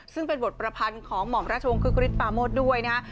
ซึ่งเป็นบทประพันธ์ของหม่อมราชวงศึกฤทธปาโมดด้วยนะฮะ